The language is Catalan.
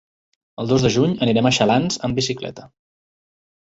El dos de juny anirem a Xalans amb bicicleta.